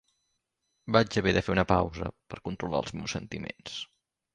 Vaig haver de fer una pausa per controlar els meus sentiments.